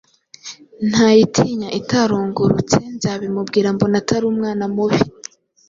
Ntayitinya itarungurutse nzabimubwira mbona atari umwana mubi.